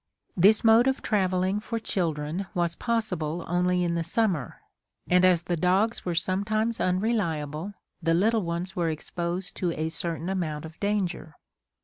This mode of travelling for children was possible only in the summer, and as the dogs were sometimes unreliable, the little ones were exposed to a certain amount of danger.